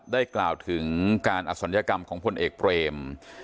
กล่าวถึงการอศัลยกรรมของพลเอกเบรม